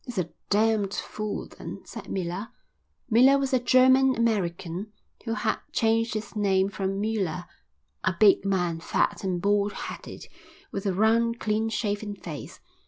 "He's a damned fool then," said Miller. Miller was a German American who had changed his name from Müller, a big man, fat and bald headed, with a round, clean shaven face.